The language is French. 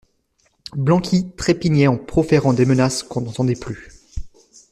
Blanqui trépignait en proférant des menaces qu'on n'entendait plus.